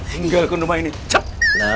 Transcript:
tinggalkan rumah ini cep